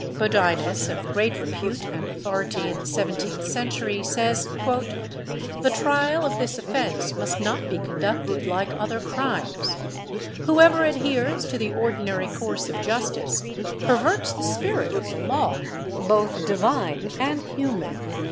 Bodinus, of great repute and authority in the seventeenth century, says, "The trial of this offence must not be conducted like other crimes. Whoever adheres to the ordinary course of justice perverts the spirit of the law, both divine and human.